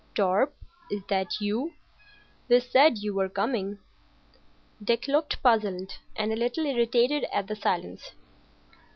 "Torp, is that you? They said you were coming." Dick looked puzzled and a little irritated at the silence.